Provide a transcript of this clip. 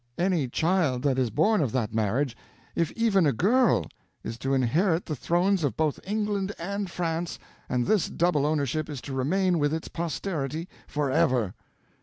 Any child that is born of that marriage—if even a girl—is to inherit the thrones of both England and France, and this double ownership is to remain with its posterity forever!"